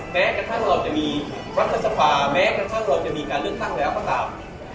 แม้กระทั่งเราจะมีรัฐสภาแม้กระทั่งเราจะมีการเลือกตั้งแล้วก็ตาม